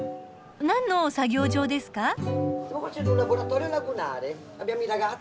何の作業場ですか？